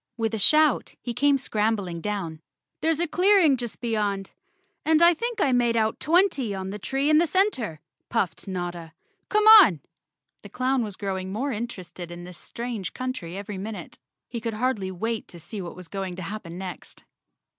With a shout he came scrambling down. "There's a clearing just beyond, and I think I made out twenty on the tree in the center," puffed Notta. "Come on!" The clown was growing more interested in this strange 126 Chapter Nine country every minute. He could hardly wait to see what was going to happen next.